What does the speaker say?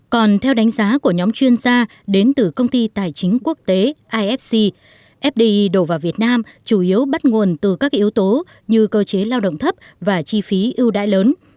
còn theo đánh giá của nhóm chuyên gia đến từ công ty tài chính quốc tế ifc fdi đổ vào việt nam chủ yếu bắt nguồn từ các yếu tố như cơ chế lao động thấp và chi phí ưu đại lớn